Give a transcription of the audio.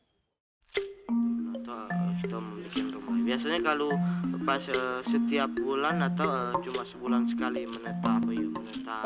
biasanya kalau lepas setiap bulan atau cuma sebulan sekali menetap